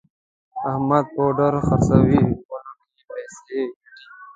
احمد پوډر خرڅوي غولو کې پیسې ګټي.